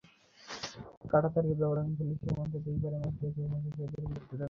কাঁটাতারের ব্যবধান ভুলে সীমান্তের দুই পারের মানুষ যৌথভাবে ভাষা শহীদদের প্রতি শ্রদ্ধা জানালেন।